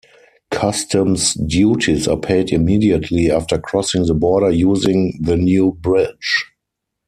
Customs duties are paid immediately after crossing the border using the new bridge.